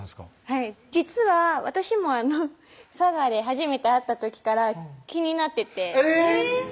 はい実は私も佐賀で初めて会った時から気になっててえぇ！